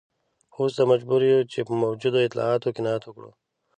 اوس مجبور یو په موجودو اطلاعاتو قناعت وکړو.